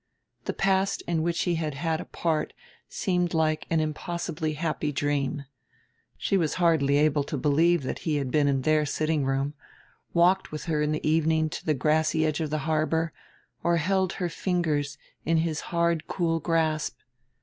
The past in which he had had a part seemed like an impossibly happy dream. She was hardly able to believe that he had been in their sitting room, walked with her in the evening to the grassy edge of the harbor, or held her fingers in his hard cool grasp.